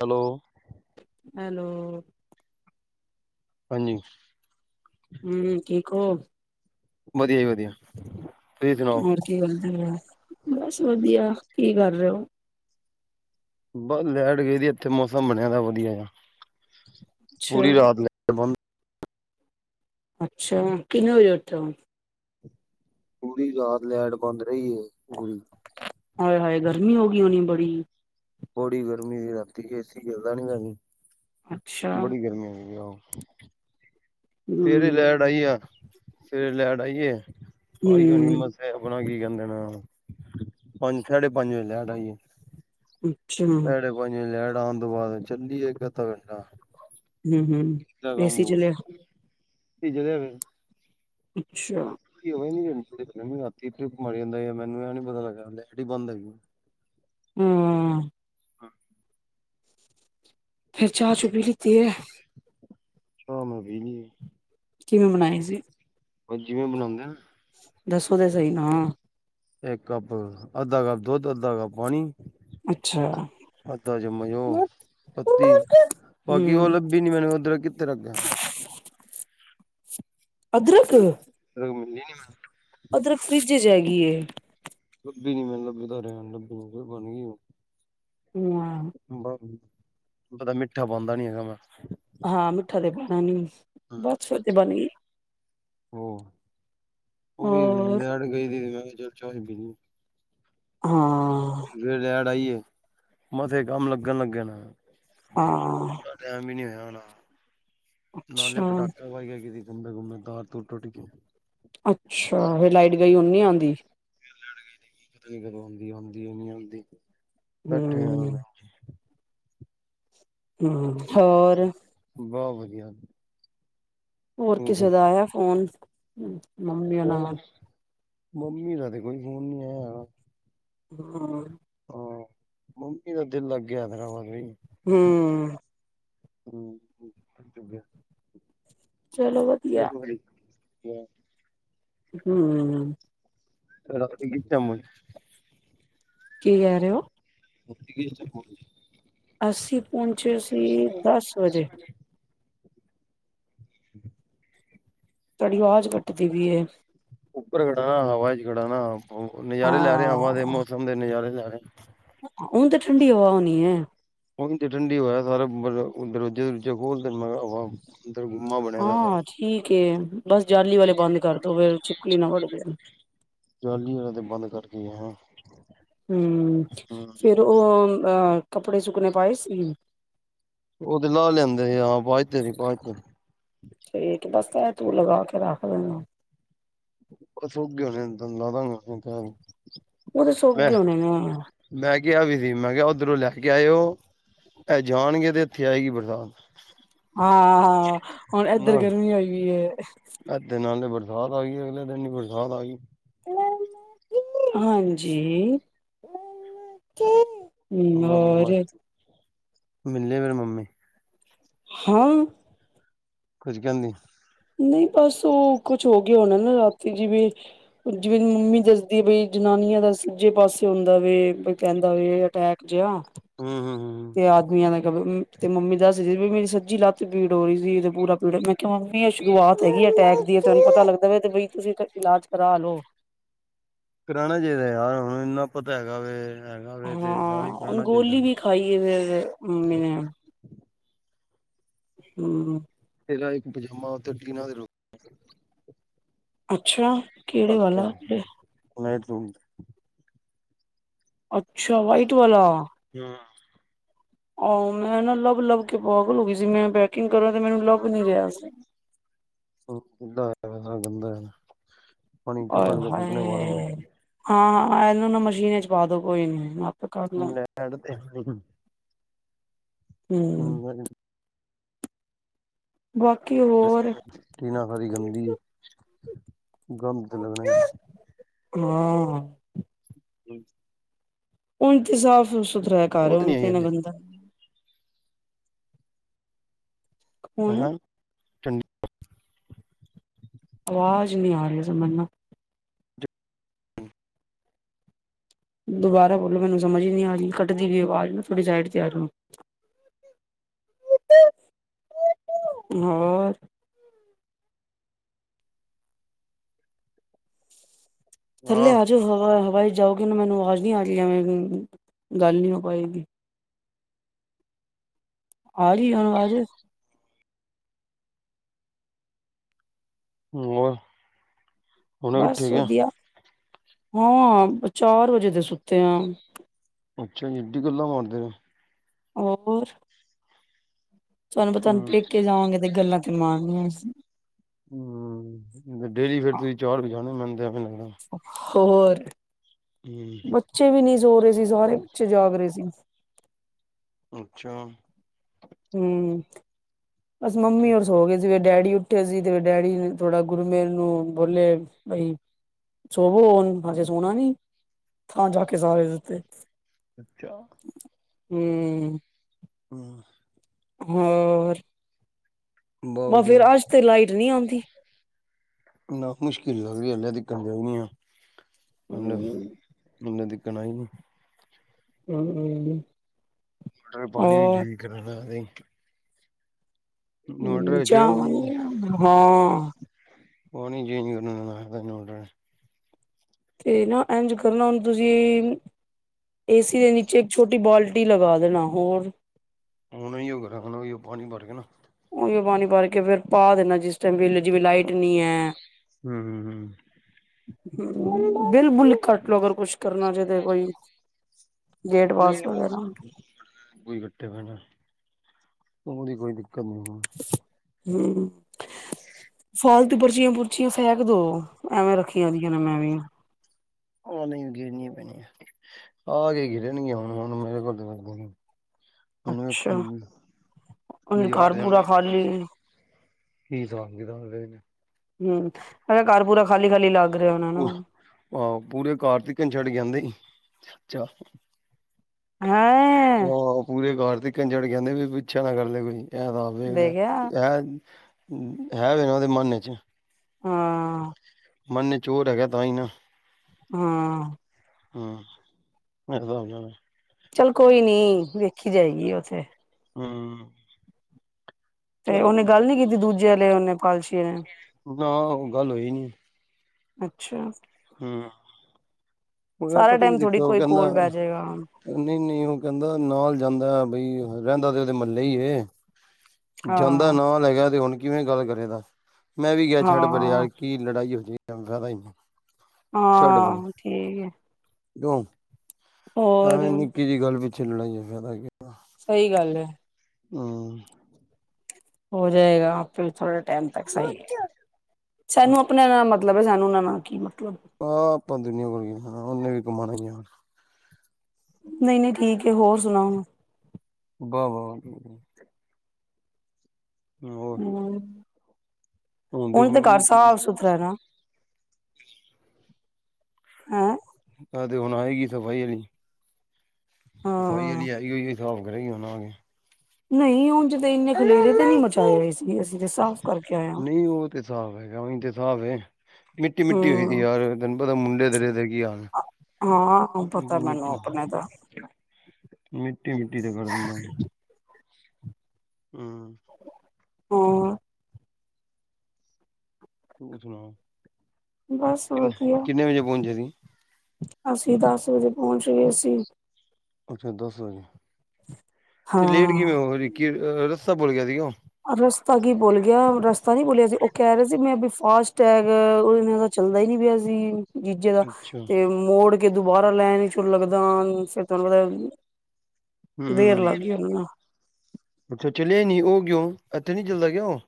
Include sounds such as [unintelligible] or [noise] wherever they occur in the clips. Hello. Hello. ਹਾਂਜੀ। ਹੂੰ ਠੀਕ ਔ? ਵਧੀਆ ਜੀ ਵਧੀਆ। ਤੁਸੀਂ ਸੁਣਾਓ ਹੋਰ ਕੀ ਕਰਦੇ ਪਏ ਔ, ਬਸ ਵਧੀਆ, ਕੀ ਕਰ ਰੇ ਔ? ਬਸ ਲੈਟ ਗਏ ਦੀ ਇੱਥੇ ਮੌਸਮ ਬਣਿਆ ਵਧੀਆ, ਅੱਛਾ ਪੂਰੀ ਰਾਤ ਲੈਟ ਬੰਦ ਅੱਛਾ, ਕਿੰਨੇ ਵਜੇ ਉੱਠ ਔ? ਪੂਰੀ ਰਾਤ ਲਾਈਟ ਬੰਦ ਰਹੀ ਐ ਪੂਰੀ ਹਾਏ-ਹਾਏ, ਗਰਮੀ ਹੋ ਗਈ ਹੋਣੀ ਬੜੀ। ਬੜੀ ਗਰਮੀ ਸੀ ਰਾਤੀ ਏਸੀ ਚਲਦਾ ਨੀਗਾ ਸੀ, ਹਮ ਹਮ ਬੜੀ ਗਰਮੀ ਆਈ ਉਹ ਸਵੇਰੇ ਲਾਈਟ ਆਈ ਆ, ਸਵੇਰੇ ਲਾਈਟ ਆਈ ਆ, ਆਈ ਹਿੰਮਤ ਆਪਣਾ ਕੀ ਕਹਿੰਦੇ ਨੇ, ਪੰਜ ਸਾਢੇ ਪੰਜ ਵੱਜੇ ਲਾਈਟ ਆਈਏ। ਹੂੰ, ਸਾਡੇ ਪੰਜ ਵਜੇ ਲਾਈਟ ਆਣ ਤੋਂ ਬਾਅਦ, ਚੱਲੀ ਇੱਕ-ਅੱਧਾ ਘੰਟਾ। ਹਮ ਕੰਮ ਏਸੀ ਚਲਿਆ ਬੀਜ ਫਿਰ [unintelligible] ਅੱਛਾ। ਰਾਤੀ ਇਥੇ ਮਾਰੀ ਜਾਂਦਾ, ਮੈਨੂੰ ਇਹ ਨਹੀਂ ਪਤਾ ਲੱਗਾ ਲੈਟ ਹੀ ਬੰਦ ਹੈਗੀ। ਹਾਂ। ਫੇਰ ਚਾਹ-ਚੁ ਪੀ ਲੀਤੀ ਹੈ। ਹਾਂ, ਮੈਂ ਪੀ ਲਈ ਹੈ। ਕਿਵੇਂ ਬਣਾਈ ਸੀ। ਬਸ ਜਿਵੇਂ ਬਣਾਂਦੇ ਆ। ਦੱਸੋ ਤਾਂ ਸਹੀ ਨਾ। ਇੱਕ ਕੱਪ, ਅੱਧਾ ਕੱਪ ਦੁੱਧ, ਅੱਧਾ ਕੱਪ ਪਾਣੀ। ਅੱਛਾ ਅੱਧਾ ਚੱਮਚ ਓਹ ਹਮ ਪੱਤੀ, ਬਾਕੀ ਉਹ ਲੱਭੀ ਨੀ ਮੈਨੂੰ ਉਹ ਅਦਰਕ ਕਿੱਥੇ ਰਖੀ ਆ। [inaudible] ਅਦਰਕ ਰ ਮਿਲਦੀ ਨੀ ਮੈ ਅਦਰਕ ਫਰਿਜ ਇਚ ਹੈਗੀ ਏ ਲੱਭੀ ਨੀ ਮੈਨ ਲੱਭਦਾ ਰੇਆ ਲੱਭੀ ਨ ਬਨ ਗਿਆ [inaudible] ਬਹ ਮਿੱਠਾ ਪਾਂਦਾ ਨੀ ਹੈਗਾ ਮੈਂ ਹਾਂ ਮਿੱਠਾ ਤੇ ਪਾਣਾ ਨੀ ਬਸ ਫੇਰ ਤੇ ਬਣ ਗਈ। ਹੋ ਉਹ ਵੀ ਹੋਰ ਲੈਟ ਗਈ ਦੀ ਮੈ ਵੀ ਚਾਹ ਈ ਪੀਣੀ ਹਾਂ। ਫ ਲੈਟ ਆਈਏ ਮਸੇ ਕੰਮ ਲੱਗਣ ਲੱਗੇ ਣ। ਹਾਂ। ਟੈਮ ਵੀ ਨੀ ਹੋਇਆ ਹੋਣਾ ਨਾਲੇ ਅੱਛਾ ਪਟਾਕੇ ਵਜ ਗੇ ਗੁੰਮਬੇ ਗੁੰਮੇ ਤਾਰ ਤੂਰ ਟੁਟ ਗੀ ਕੇ ਅੱਛਾ ਫ ਲਾਈਟ ਗਈ ਨੀ ਆਂਦੀ। ਕਦੋਂ ਆਂਦੀ ਆਂਦੀ ਨ ਆਂਦੀ ਬੈਠੇ ਆ ਹੂੰ ਹਮ ਹੋਰ? ਬਹੁ ਵਧੀਆ। ਹੋਰ ਕਿਸੇ ਹੂੰ। ਦਾ ਆਇਆ ਫੋਨ? ਮੰਮੀ ਹੋਣਾ ਉਹ ਦਾ। ਮੰਮੀ ਦਾ ਤੇ ਕੋਈ ਫੋਨ ਨਹੀਂ ਆਇਆ। ਹਮ [unintelligible] ਹਾਂ ਮੰਮੀ ਦਾ ਦਿਲ ਲੱਗ ਗਿਆ ਹੈਦਰਾਬਾਦ ਬਈ। ਹੁ। ਹੂੰ, [unintelligible] ਤੋ ਗਿਐ। ਚਲੋ ਫੇਰ ਵਧੀਆ ਵੜੀ ਗਿਐ। ਉਹੂੰ। ਤਰਾਪੇ ਕੀ ਭੈਣ। [unintelligible] ਕੀ ਕੈ ਰੇ ਔ? ਹੋੱਤੀ ਯਹੀ ਸੇ ਖੋਲਣੀ। [unintelligible] ਅਸੀਂ ਪੋੰਚੇ ਸੀ ਦਸ ਵਜੇ। ਤਾਡੀ ਵਾਜ਼ ਕਟਦੀ ਪੀਏ। ਉੱਪਰ ਖੜਾ ਣਾ ਹਵਾ ਚ ਖੜਾ ਣਾ ਨਜ਼ਾਰੇ ਲੈ ਰੇ ਆ ਹਵਾ ਦੇ ਹਾਂ ਮੌਸਮ ਦੇ ਨਜ਼ਾਰੇ ਲੈ ਰੇਆ। ਹੁਣ ਤੇ ਠੰਡੀ ਹਵਾ ਹੋਣੀ ਏ। ਓੰਝ ਤੇ ਠੰਡੀ ਹਵਾਏ ਸਾਰਾ ਦਰਵਾਜੇ ਦੁਰਜੇ ਖੋਲਤੇ ਮੈ ਕੇਆ ਹਵਾ ਅੰਦਰ ਗੁੰਮਾ ਬਣਿਆ ਦਾ ਸਾਰਾ ਹਾਂ ਠੀਕ ਏ ਬਸ ਜਾਲੀ ਵਾਲੇ ਬੰਦ ਕਰਦੋ ਤੋ ਫਿਰ ਛਿਪਕਲੀ ਨਾ ਵੱਡ ਜਾਏ। ਜਾਲੀ ਵਾਲੇ ਤੇ ਬੰਦ ਕਰਕੇ ਗਿਆ। ਹੂੰ ਫਿਰ ਉਹ ਕੱਪੜੇ ਸੁੱਕਣੇ ਪਾਏ ਸੀ। ਉਹ ਤੇ ਲਾਹ ਲਿਆਂਦੇ ਆਵਾਜ਼ ਤੇਰੀ ਆਵਾਜ਼ ਤੇਰੀ ਠੀਕ ਬਸ ਇਹ ਤੂੰ ਲਗਾ ਕੇ ਰੱਖ ਦੇਨਾ। ਉਹ ਸੁਕ ਗਏ ਹੋਣੇ ਨੇ [unintelligible] ਉਹ ਤਾਂ ਸੋਕ ਗੇ ਹੋਣੇ ਨੇ ਹਾਂ। ਮੈਂ ਕਿਹਾ ਵੀ ਸੀ ਮੈਂ ਕਿਹਾ ਉੱਧਰੋਂ ਲੈ ਕੇ ਆਇਓ ਇਹ ਜਾਣਗੇ ਤੇ ਇੱਥੇ ਆਏਗੀ ਬਰਾਤ। ਹਾਂ, ਹਾਂ ਹੁਣ ਏਧਰ ਗਰਮੀ ਹੋਈ ਦੀ ਏ। ਏਥੋਂ ਨਾਲੇ ਬਰਸਾਤ ਆ ਗਈ ਅਗਲੇ ਦਿਨ ਹੀ ਬਰਸਾਤ ਆ ਗਈ। ਹਾਂਜੀ। ਹੂੰ ਮੰਮਾ ਹੋਰ। ਮਿਲੇ ਨੇ ਮੇਰੇ ਮੰਮੀ। ਹਾਂ। ਕੁਝ ਕਹਿੰਦੀ। ਨਹੀਂ ਬਸ ਉਹ ਕੁਛ ਹੋ ਗਿਆ ਹੋਣਾ ਨਾ ਰਾਤੀ ਜਿਵੇ। ਜਿਵੇਂ ਮੰਮੀ ਦੱਸਦੀ ਪਈ ਜਨਾਨੀਆਂ ਦਾ ਸੱਜੇ ਪਾਸੇ ਆਉਂਦਾ ਵੇ ਕਹਿੰਦਾ ਵੇ ਅਟੈਕ। ਜਿਆ। ਹੂੰ ਹੂੰ ਹੂੰ ਆਦਮੀਆਂ ਦਾ ਕਵੇ ਤੇ ਮੰਮੀ ਦੱਸ ਰਹੀ ਸੀ ਵੀ ਮੇਰੀ ਸੱਜੀ ਲੱਤ ਪੀੜ ਹੋ ਰਹੀ ਸੀ ਤੇ ਪੂਰਾ ਪੀੜ ਕਿਉਂਕਿ ਮੰਮੀ ਇਹ ਸ਼ੁਰੂਆਤ ਹੈਗੀ ਅਟੈਕ ਦੀ ਆ ਤੈਨੂੰ ਪਤਾ ਲੱਗਦਾ ਵੇ ਤੇ ਬਈ ਤੁਸੀਂ ਇਲਾਜ ਕਰਾ ਲੋ। ਕਰਾਣਾ ਚਾਹੀਦਾ ਯਾਰ ਹੁਣ ਇੰਨਾ ਪਤਾ ਹੈਗਾ ਵੇ। ਹੈਗਾ ਵੇ ਤੇ ਇਲਾਜ ਹਾਂ ਹਾਂ ਕਰਾਉਣਾ ਚਾਹੀਦਾ ਗੋਲੀ ਵੀ ਖਾਈਏ ਫਿਰ ਮੰਮੀ ਨੇ ਹੂੰ,,, ਤੇਰਾ ਇੱਕ ਪਜਾਮਾ ਉਥੇ ਕੀ ਨਾਮ ਰੁੱਤ ਅੱਛਾ। ਕਿਹੜੇ ਅੱਛਾ ਵਾਲਾ ਹੁਣੇ ਤੂੰ ਅੱਛਾ ਵਾਈਟ ਵਾਲਾ। ਆਹ ਮੈਂ ਨਾ ਲੱਭ ਲੱਭ ਕੇ ਪਾਗਲ ਹੋ ਗਈ ਸੀ। ਮੈਂ ਪੈਕਿੰਗ ਕਰਾਂ ਤੇ ਮੈਨੂੰ ਲੱਭ ਨੀ ਰਿਹਾ ਸੀ। ਸਭ ਗੰਦਾ ਹੈ ਸਾਰਾ ਗੰਦਾ ਹੈ ਪਾਣੀ ਚ ਆਏ ਕੱਢ ਕੇ ਸੁਕਨੇ ਪਾ ਹਾਏ ਦੇ। ਹਾਂ, ਇਹਨੂੰ ਨਾ ਮਸ਼ੀਨ ਚ ਪਾ ਦੋ ਕੋਈ ਨੀ। ਆਪੇ ਕਰ ਲਾਂ ਲੈਟ [unintelligible] ਹੂੰ,,, ਬਾਕੀ ਹੋਰ ਟੀਨਾ ਸਾਰੀ ਗੰਦੀ ਹੈ ਗੰਦ ਤੇ ਲੱਗਣਾ। ਹਾਂ [unintelligible] ਹੁਣ ਤੇ ਸਾਫ਼ ਸੁਥਰਾ ਏ ਘਾਰ ਉਹ ਹੁਣ ਨਹੀਂ ਤੇ ਆਈ ਨਾ ਹਲੇ। ਗੰਦਾ ਹੁਣ ਹਾਂ ਠੰਡੀ ਆਵਾਜ ਨੀ ਆਰੀ ਏ ਸਮਨਾ। ਦੁਬਾਰਾ ਬੋਲੋ ਮੈਨੂੰ ਸਮਝ ਈ ਨੀ ਆ ਰੀ ਕੱਟਦੀ ਪਈ ਆਵਾਜ ਨਾ ਥੋਡੀ ਸੈਡ ਤੇ ਆ ਜੋ। ਹੋਰ ਥੱਲੇ ਹਾਂ ਆ ਜਾਓ ਹਵਾ ਹਵਾਈ ਜਾਓਗੇ ਨਾ ਮੈਨੂੰ ਆਵਾਜ ਨੀ ਆ ਰੀ ਐਵੇਂ ਗੱਲ ਨੀ ਹੋ ਪਾਏਗੀ। ਆਰੀ ਆ ਆਵਾਜ਼ [inaudible] ਹੋਰ ਹੁਣੇ ਉੱਠੇ ਬਸ ਗਿਆ ਵਧੀਆ, ਹਾਂ ਬ ਚਾਰ ਵਜੇ ਦੇ ਸੁੱਤੇ ਆਂ ਅੱਛਾ ਜੀ ਏੱਡੀ ਗੱਲਾਂ ਮਾਰਦੇ ਨੇ? ਹੋਰ? ਤੁਆਨੂੰ ਪਤਾ ਹੂੰ ਪੇੱਕੇ ਜਾਵਾਂਗੇ ਤੇ ਗੱਲਾਂ ਤੇ ਮਾਰਨੀਆਂ ਈ ਸੀ। ਹੂੰ, ਡੇਲੀ ਫੇਰ ਤੁਹੀਂ ਚਾਰ ਵਜਾਣੇ ੳ ਮੇਨੂੰ ਤਾਂ ਐਵੇਂ ਲੱਗਦਾ। ਹੋਰ? ਹੂ ਬੱਚੇ ਵੀ ਨੀ ਸੋ ਰੇ ਸੀ ਸਾਰੇ, ਬੱਚੇ ਜਾਗ ਰੇ ਸੀ। ਅੱਛਾ ਹੂ, ਬਸ ਮੰਮੀ ਔਰ ਸੋਗੇ ਸੀ ਜਿਵੇਂ ਡੈਡੀ ਉੱਠੇ ਸੀ ਤੇ ਡੈਡੀ ਨੇ ਥੋੜਾ ਗੁਰਮੇਲ ਨੂੰ ਬੋਲੇਆ, ਬਈ ਸੋਵੋ ਹੁਣ ਹਜੇ ਸੋਨਾ ਨੀ? ਥਾਂ ਜਾ ਕੇ ਸਾਰੇ ਸੁਤੇ ਅੱਛਾ ਹੂੰ ਹੋਰ ਹੋਰ? ਬਹੁਤ ਲੈ ਫੇਰ ਵਧੀਆ ਆਜ ਤੇ ਲਾਈਟ ਨੀਂ ਆਂਦੀ। ਕਿੰਨਾ ਮੁਸ਼ਕਿਲ ਲੱਗਦੀ ਗਰਮੀ ਆ, ਮਤਲਬ ਹੂੰ ਮਿਨੂੰ ਦਿਕਨਾ ਈ ਨੀ ਹੂੰ ਮਟਰ ਪਾਣੀ ਵਿਚ ਹੋਰ ਈ ਕਰਦਾ ਨੀ ਚ ਜਵਾਗਏ ਹਾ ਪਾਣੀ ਚੇਂਜ ਕਰਨਾ ਤੇ ਨਾ ਐਂਝ ਕਰਨਾ ਹੁਣ ਤੁਸੀਂ, ਏਸੀ ਦੇ ਨੀਚੇ ਇਕ ਛੋਟੀ ਬਾਲਟੀ ਬਾਲਟੀ ਲਗਾ ਦੇਣਾ ਹੋਰ ਓਵੇਂ ਈ ਹੋਕੇ ਰਾਖਨਾ ਵੀ ਪਾਣੀ ਬ੍ਹਰਕੇ ਨਾ ਉਵੇਂ ਪਾਣੀ ਬਰਕੇ ਫੇਰ ਪਾ ਦੇਨਾ ਜਿਸ ਟਾਈਮ ਬੀ ਵੇਲੇ ਜਿਵੇਂ ਲਾਈਟ ਨੀ ਐ। ਹੂ ਹੂ ਹੂ ਬਿਲ ਬੁਲ ਕੱਟ ਲੋੋ ਅਗਰ ਕੁਛ ਕਰਨਾ ਜਦੋ ਕੋਈ, ਗੇਟ ਨਹੀਂ ਪਾਸ ਵਗੈਰਾ ਕੋਈ ਇਕੱਠੇ ਪੇ ਪੈਣਾ ਉਹਦੀ ਕੋਈ ਦਿੱਕਤ ਨ ਹੂ ਸ਼ ਆਲਤੁ ਪਰਚੀਆਂ ਪੁਰਚੀਆਂ ਫੈਕ ਦੋ, ਐਵੇਂ ਰੱਖੀਆਂ ਹੋਈਆਂ ਨੇ ਮੈਂ ਵੀ। ੳ ਨੀ ੳ ਗੇਨੀਆਂ ਪੈਣੀਆਂ, ਆਕੇ ਗਿਰਣਗੀਆਂ ਹੁਣ-ਹੁਣ ਮੇਰੇ ਕੋਲ ਅੱਛਾ ਹੁਣ ਘਰ ਪੂਰਾ ਖਾਲੀ [unintelligible] ਕੀ ਸਾਫ ਗਿਦਾ ਕਿ ਹੂ, ਐ ਘਾਰ ਪੂਰਾ ਖਾਲੀ-ਖਾਲੀ ਲੱਗ ਰੇਆ ਹੁਨਾ ਨਾ? ਆਹੋ ਪੂਰੇ ਘਾਰ ਤੀਕਨ ਛੱਡਕੇ ਆਂਦੇ ਈ ਚਾ ਹੈਂ ਆਹੋ-ਆਹੋ ਪੂਰੇ ਘਾਰ ਤੀਕਨ ਛੱਡਕੇ ਆਂਦੇ ਬੀ ਪਿੱਛਾ ਨਾ ਕਰਲੇ ਕੋਈ। ਹੈਗਾ ਵੇਖ ਲਏ ਦੇਖਿਆ ਹੈਗਾ ਵਾ ੳੱਦੇ ਮਨ 'ਚ ਹਾਂ ਮੰਨ ਚ ਚੋਰ ਹੈਗਾ ਤਾਂ ਹੀ ਨਾ ਹਾਂ ਹਮ ਮ ਚੱਲ ਕੋਈ ਨੀ ਵੇਖੀ ਜਾਏਗੀ ਉੱਥੇ ਹੂ ਤੇ ਉਹਨੇ ਗੱਲ ਨੀ ਕੀਤੀ ਦੂਜੇ ਵਾਲੇ ਨੇ ਕਾਲਸ਼ੀ ਨੇ ਨਾ ਉਹ ਗੱਲ ਹੋਈ ਨੀ ਅੱਛਾ ਹੂ ਔਦਾ ਸਾਰਾ ਪਤਾ ਕੀ ਟਾਈਮ ਚੱਕਰ ਥੋੜੀ ਉਹ ਕੋਈ ਕਹਿੰਦਾ ਕੋਲ ਬਹਿ ਜਾਏਗਾ ਨਹੀਂ-ਨਹੀਂ ਉਹ ਕਹਿੰਦਾ ਨਾਲ ਜਾਂਦਾ ਬਈ, ਰਹਿੰਦਾ ਤੇ ਉਹਦੇ ਮਹੱਲੇ ਹੀਈ ਜਾਂਦਾ ਹਾਂ ਨਵਾਂ ਲੈ ਗਿਆ ਤੇ ਹੁਣ ਕਿਵੇਂ ਗੱਲ ਕਰੇਗਾ, ਮੈਂ ਵੀ ਗਿਆ ਛੱਡ ਪਰ ਹਾਂ ਯਾਰ ਕੀ ਲੜਾਈ ਹੋ ਜਾ ਧਰਮਸ਼ਾਲਾ ਹੀ ਹਾਂ ਠੀਕ ਆ ਕਯੋਂ ਹੋਰ ਐਵੇਂ ਨਿੱਕੀ ਜਿਹੀ ਗੱਲ ਪਿੱਛੇ ਲੜਾਈ ਹੈ ਫਾਇਦਾ ਕੀ ਸਹੀ ਗੱਲ ਹੈ ਹੂ ਹੋ ਜਾਏਗਾ ਆਪੇ ਥੋੜੇ ਟਾਈਮ ਤੱਕ ਸਹੀ, ਸਾਨੂੰ ਆਪਣਾ ਨਾਲ ਮਤਲ ਮਤਲਬ ਸਾਨੂੰ ਉਨਾ ਨਾਲ ਕਿ ਮਤਲਬ ਆਹ ਆਪਾਂ ਦੁਨੀਆਂ ਕੋਲ ਕੀ, ਉਹਨੇ ਵੀ ਕਮਾਣਾ ਨਹੀਂ-ਨਹੀਂ ਠੀਕ ਐ ਹੋਰ ਸੁਣਾਓੁ ਵਾਹ ਵਾਹ ਹੋਰ, ਹੁਣ ਤੇ ਘਰ ਸਾਫ ਸੁਥਰਾ ਹੈ ਨਾ ਹੈਂ ਐ ਤੇ ਹੁਣ ਆਏਗੀ ਸਫ਼ਾਈ ਵਾਲੀ, ਸਫ਼ਾਈ ਹਾਂ ਵਾਲੀ ਆਈ ਹੋਈ ਹੈ ਕਰੇਗੀ ਹੂਣ ਆ ਗਈ ਨਹੀਂ ਉਜ ਤਾਂ ਇੰਨੇ ਖਲੇਰੇ ਤੇ ਨਹੀਂ ਮਚਾਏ ਹੋਏ ਸੀ ਅਸੀਂ ਤੇ ਸਾਫ਼ ਕਰਕੇ ਆਏ ਹਾਂ ਨਹੀਂ ਉਹ ਤੇ ਸਾਫ ਹੈਗਾ, ਉਜ ਤੇ ਸਾਫ਼ ਹੈ ਮਿੱਟੀ-ਮਿੱਟੀ ਹੋਈਦੀ ਹਮ ਯਾਰ ਤੈਨੂੰ ਪਤਾ ਮੁੰਡੇ ਤੇਰੇ ਦੇ ਕੀ ਯਾਰ ਹਾਂ ਪਤਾ ਮੈਨੂੰ ਆਪਣੇ ਦਾ ਮਿੱਟੀ-ਮਿੱਟੀ ਤੇ ਕਰ ਦਿੰਦਾ ਹੂ ਹੋਰ ਤੂੰ ਸੁਣਾ, ਬਸ ਕਿਨ ਵਧੀਆ ਕਿੰਨੇ ਵਜੇ ਪਹੁੰਚੇ ਸੀ ਅਸੀਂ ਦਸ ਵਜੇ ਪਹੁੰਚ ਗਏ ਅਸੀਂ ਅੱਛਾ ਦਸ ਵਜੇ ਤੇ ਲੇਟ ਹਾਂ ਕਿਵੇਂ ਹੋ ਗਏ ਸੀ, ਕਿ ਰੱਸਤਾ ਭੁਲ ਗਿਆ ਸੀਗਾ ਉਹ ਰਸਤਾ ਕੀ ਭੁਲ ਗਿਆ ਰਸਤਾ ਨੀ ਭੁਲਿਆ ਸੀ, ਉਹ ਕਹਿ ਰਹੇ ਸੀ ਮੈਂ ਵੀ ਫਾਸਟ ਟੈਯਰ ਉਹਦੇ ਨਾਲ ਤਾਂ ਚੱਲਦਾ ਹੀ ਨੀ ਪਿਆ ਸੀ ਜੀਜੇ ਦਾ ਅੱਛਾ ਤੇ ਮੋੜ ਕੇ ਦੁਬਾਰਾ ਲੈਣ ਚ ਲੱਗਦਾ ਫਿਰ ਤੁਹਾਨੂੰ ਪਤਾ, ਦੇਰ ਹੂੰ ਲੱਗ ਗਈ ਉਹਨੂੰ ਤਾਂ ਅੱਛਾ ਚੱਲੀ ਈ ਨੀ ਉਹ ਕਯੋਂ, ਇੱਥੇ ਨੀ ਚਲਦਾ ਕਿ ਉਹ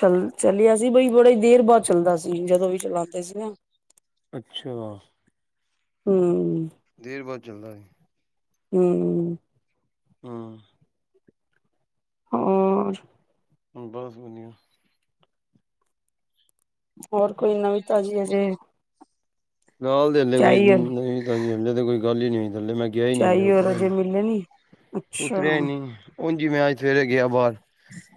ਚੱਲ ਚੱਲਿਆ ਸੀ ਬਈ ਬੜੇ ਹੀ ਦੇਰ ਬਾਅਦ ਚੱਲਦਾ ਸੀ, ਜਦੋਂ ਵੀ ਚਲਾਉਂਦੇ ਸੀ ਨਾ ਅੱਛਾ ਹੂ ਦੇਰ ਬਾਦ ਜਲਦਾ ਐ ਹੂ ਹਾਂ ਹੋਰ ਬਸ ਵਧੀਆ ਹੋਰ ਕੋਈ ਨਵੀਂ ਤਾਜ਼ੀ ਹਜੇ ਨਾ ਹਲੇ ਤੇ ਕੋਈ ਨਵੀ ਤਾਜ਼ੀ ਹਲੇੇ ਤਾਂ ਕੋਈ ਗੱਲ ਈ ਨਈ ਹੋਈ ਥੱਲੇ ਮੈਂ ਗਿਆ ਈ ਨੀ ਹਲੇ ਉੱਤਰਿਆ ਈ ਨੀ। ਨਈ ਉਤਰਿਆ ਈ ਨੀ, ਉਂਝ ਈ ਨੀ ਮੈਂ ਅੱਜ ਸਵੇਰੇ ਗੇਆ ਬਾਰ।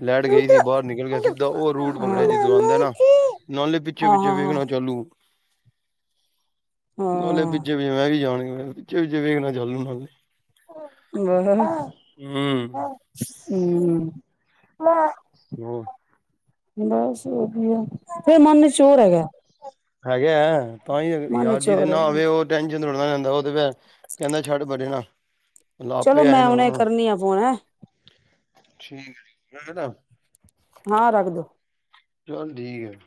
ਲੈਟ ਗਈ ਸੀ ਬਾਰ ਨਿਕਲ ਗਿਆ ਸਿੱਧਾ ਓ ਰੂਟ ਪਕੜਿਆ ਹਾਂ ਜਿੱਦੋਂ ਆਂਦਾ ਨਾ ਨਾਲ ਦੇ ਪਿੱਛੇ-ਪਿੱਛੇ ਹਾਂ ਵੇਖਣਾ ਚਾਲੂ ਨਾਲੇ ਪਿਛੇ ਵੀ ਮੈਂ ਵੀ ਆ ਈ ਜਾਨਗੇ ਪਿਛੇ ਵੇਖ ਚਾਂਲੂ ਨਾਲੇ- ਗਗਨ ਹੂੰ- ਊਂ ਹੋਰ ਬਸ ਵਦੀਆ ਫੇਰ ਮਨ ਮੇ ਚੋਰ ਹੈਗਾ, ਹੈਗੇ ਆ ਤਾਂ ਹੀ ਮਨ ਮੇ ਯਾਰ ਜਿਹਦੇ ਚੋਰ ਐ। ਨਾ ਆਵੇ ਉਹ ਟੈਨਸ਼ਨ ਥੋੜ੍ਹਾ ਲੈਂਦਾ ਓ ਤੇ ਫੇਰ ਕੈਂਦਾ ਛੱਡ ਪਰੇ ਨਾ ਆਪੇ ਆ ਜਾਨਾ ਵਾਂ। ਨੀਆ ਪੋਨਾ ਠੀਕ ਰੈਂਦਾ ਹਾਂ ਰੱਖਦੋ ਚੱਲ ਠੀਕ ਐ।